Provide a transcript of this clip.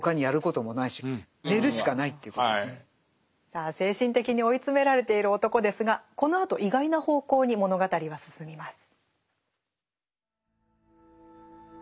さあ精神的に追い詰められている男ですがこのあと意外な方向に物語は進みます。